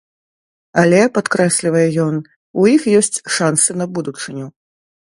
Але, падкрэслівае ён, у іх ёсць шансы на будучыню.